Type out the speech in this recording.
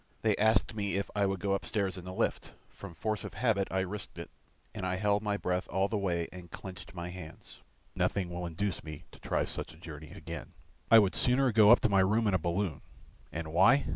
They asked me if I would go upstairs in the lift, from force of habit I risked it, and I held my breath all the way and clenched my hands. Nothing will induce me to try such a journey again. I would sooner go up to my room in a balloon. And why?